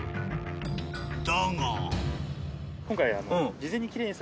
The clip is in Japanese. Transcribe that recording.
だが。